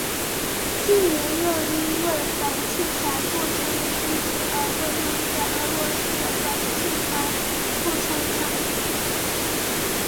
近年又因为反器材步枪的兴起而被用在俄罗斯的反器材步枪上。